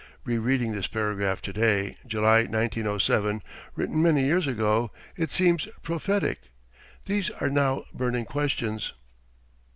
[Re reading this paragraph to day, July, 1907, written many years ago, it seems prophetic. These are now burning questions.